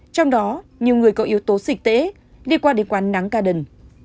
trong đó nhiều người có yếu tố dịch tễ liên quan đến quán nắng ca đần